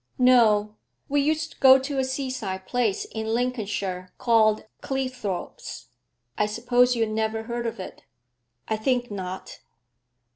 'No. We used to go to a seaside place in Lincolnshire called Cleethorpes. I suppose you never heard of it?' 'I think not.'